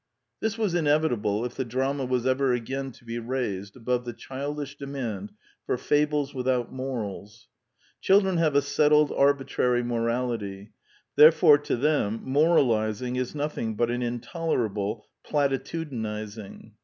This was inevitable if the drama was ever again to be raised above the childish demand for fables without morals. Children have a settled arbitrary morality: therefore to them moralizing is nothing but an intolerable platitudinizing.